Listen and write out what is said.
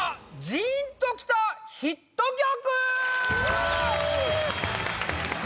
ジーンときたヒット曲！